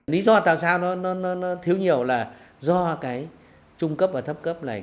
lý do tại sao nó thiếu nhiều là do cái trung cấp và thấp cấp này